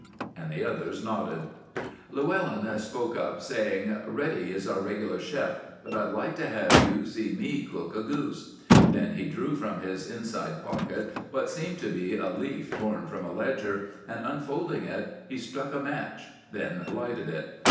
and the others nodded. Llewellyn spoke up, saying, "Reddy is our regular chef; but I'd like to have you see me cook a goose." Then he drew from his inside pocket what seemed to be a leaf torn from a ledger, and, unfolding it, he struck a match, then lighted it.